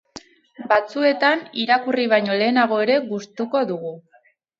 Batzuetan irakurri baino lehenago ere gustuko dugu.